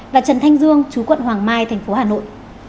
và trần thanh dương chú quận hoàng mai tp hà nội